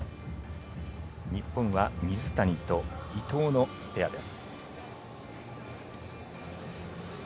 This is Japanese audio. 日本は水谷と伊藤のペアです。